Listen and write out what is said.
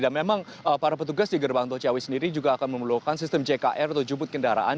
dan memang para petugas di gerbang tol ciawi sendiri juga akan memelukkan sistem ckr atau jubut kendaraan